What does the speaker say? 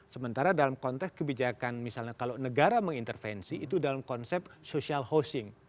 sementara dalam konteks kebijakan misalnya kalau negara mengintervensi itu dalam konsep social housing